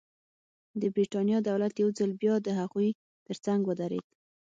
د برېټانیا دولت یو ځل بیا د هغوی ترڅنګ ودرېد.